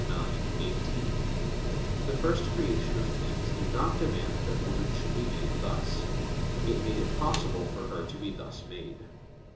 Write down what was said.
ix, 18): "The first creation of things did not demand that woman should be made thus; it made it possible for her to be thus made."